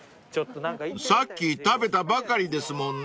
［さっき食べたばかりですもんね］